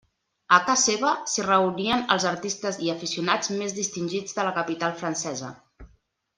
A ca seva si reunien els artistes i aficionats més distingits de la capital francesa.